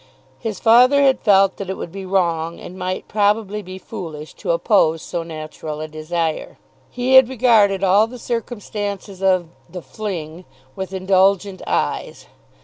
His father had felt that it would be wrong and might probably be foolish to oppose so natural a desire. He had regarded all the circumstances of "the fling" with indulgent eyes.